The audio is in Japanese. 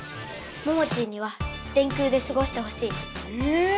モモチーには電空ですごしてほしい。え！